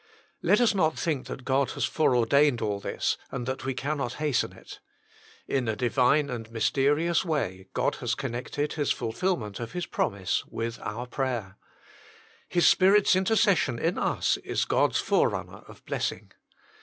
Let us not think that God has foreordained all this, and that we cannot hasten it. In a divine and mysterious way God has connected His fulfilment of His promise with our prayer. His Spirit s inter cession in us is God s forerunner of blessing.